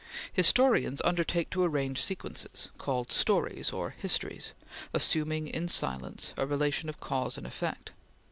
Historians undertake to arrange sequences, called stories, or histories assuming in silence a relation of cause and effect.